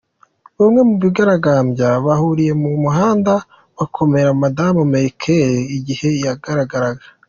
Bamwe mu bigaragambya bahuriye mu muhanda, bakomera madamu Merkel igihe yahageraga.